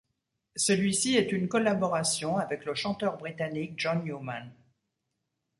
Celui-ci est une collaboration avec le chanteur britannique John Newman.